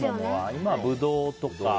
今はブドウとか。